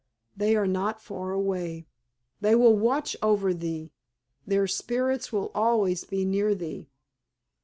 They are not far away. They will watch over thee. Their spirits will always be near thee.